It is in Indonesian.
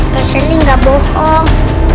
kak seli gak bohong